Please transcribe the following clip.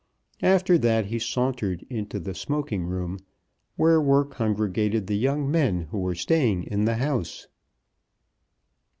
After that he sauntered into the smoking room, where were congregated the young men who were staying in the house.